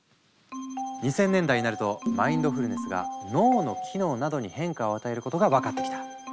２０００年代になるとマインドフルネスが脳の機能などに変化を与えることが分かってきた。